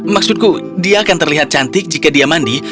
maksudku dia akan terlihat cantik jika dia mandi